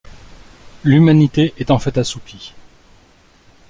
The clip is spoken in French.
L'humanité est en fait assoupie.